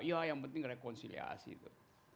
iya yang penting rekonsiliasi itu